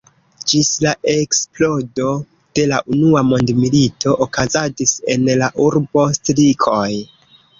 Ĝis la eksplodo de la Unua Mondmilito okazadis en la urbo strikoj.